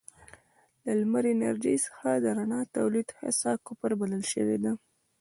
له لمر انرژۍ څخه د رڼا تولید هڅه کفر بلل شوې ده.